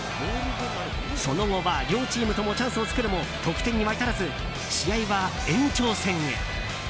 その後は両チームともチャンスを作るも得点には至らず試合は延長戦へ。